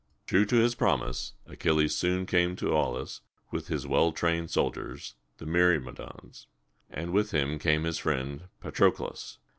True to his promise, Achilles soon came to Aulis with his well trained soldiers, the Myr´mi dons, and with him came his friend Pa tro´clus.